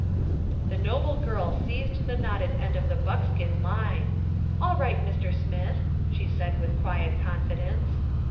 "The noble girl seized the knotted end of the buckskin line. 'All right, Mr. Smith,' she said with quiet confidence.